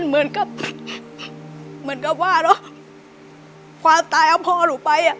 เหมือนกับว่าเนอะความตายเอาพ่อหนูไป